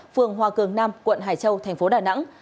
phường hòa cường nam quận hải châu thành phố đà nẵng